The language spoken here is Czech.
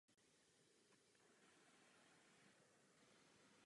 Cílem tohoto časopisu bylo šířit jejich představy o malbě a architektuře pro veřejnost.